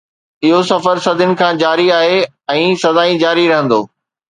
اهو سفر صدين کان جاري آهي ۽ سدائين جاري رهندو.